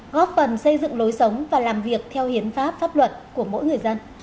góp phần xây dựng lối sống và làm việc theo hiến pháp pháp luật của mỗi người dân